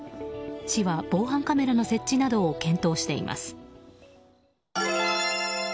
市は防犯カメラの設置などを検討しています。